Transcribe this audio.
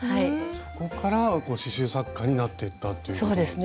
そこから刺しゅう作家になっていったっていうことなんですね。